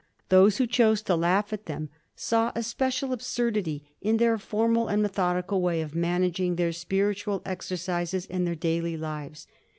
Those who chose to laugh at them saw especial absurdity in their formal and methodical way of managing their spir itual exercises and their daily lives.